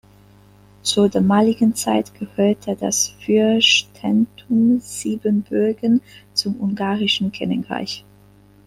Zur damaligen Zeit gehörte das Fürstentum Siebenbürgen zum ungarischen Königreich.